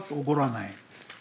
「怒らない」。